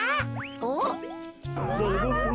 おっ？